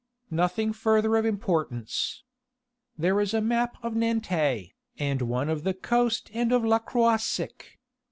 "Nothing further of importance. There is a map of Nantes, and one of the coast and of Le Croisic.